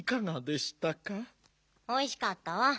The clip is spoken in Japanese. おいしかったわ。